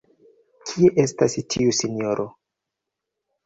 Kie estas tiu sinjoro?